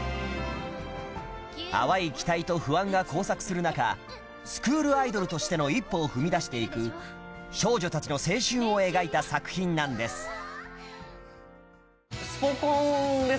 淡い期待と不安が交錯する中スクールアイドルとしての一歩を踏み出していく少女たちの青春を描いた作品なんです